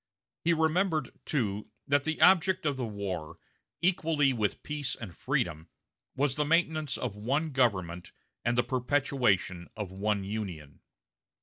He remembered, too, that the object of the war, equally with peace and freedom, was the maintenance of one government and the perpetuation of one Union.